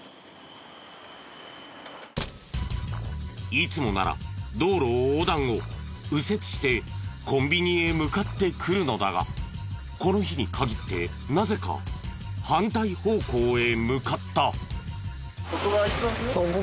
いつもなら道路を横断後右折してコンビニへ向かってくるのだがこの日に限ってなぜか反対方向へ向かった。